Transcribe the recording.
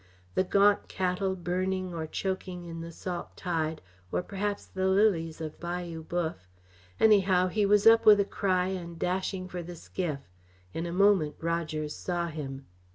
The gaunt cattle burning or choking in the salt tide, or perhaps the lilies of Bayou Boeuf anyhow, he was up with a cry and dashing for the skiff. In a moment Rogers saw him.